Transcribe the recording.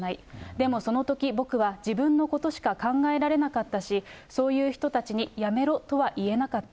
でもそのとき、僕は自分のことしか考えられなかったし、そういう人たちにやめろとは言えなかった。